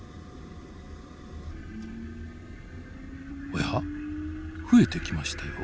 おや？増えてきましたよ。